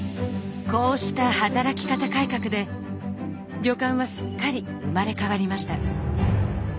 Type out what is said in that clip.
こうした「働き方改革」で旅館はすっかり生まれ変わりました。